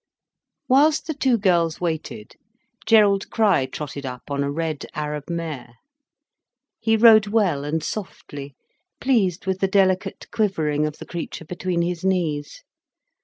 Whilst the two girls waited, Gerald Crich trotted up on a red Arab mare. He rode well and softly, pleased with the delicate quivering of the creature between his knees.